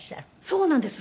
「そうなんです。